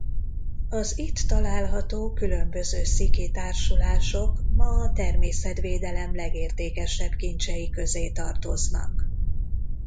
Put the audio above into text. Az itt található különböző sziki társulások ma a természetvédelem legértékesebb kincsei közé tartoznak.